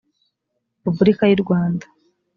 repubulika y’u rwanda